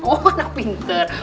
oh anak pinter